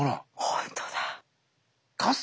本当だ！